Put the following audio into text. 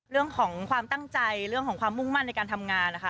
เรื่องของความตั้งใจเรื่องของความมุ่งมั่นในการทำงานนะคะ